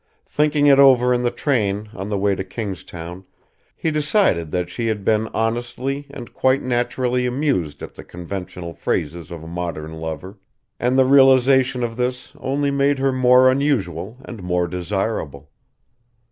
Thinking it over in the train on the way to Kingstown he decided that she had been honestly and quite naturally amused at the conventional phrases of a modern lover, and the realisation of this only made her more unusual and more desirable.